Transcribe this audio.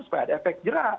supaya ada efek jerak